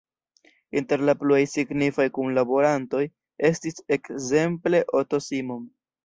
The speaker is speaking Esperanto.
Inter la pluaj signifaj kunlaborantoj estis ekzemple Otto Simon.